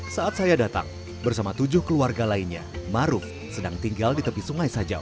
saat saya datang bersama tujuh keluarga lainnya maruf sedang tinggal di tepi sungai sajau